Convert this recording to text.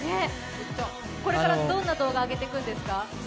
これからどんな動画をあげていくんですか？